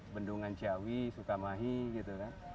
bendungan ciawi sukamahi gitu kan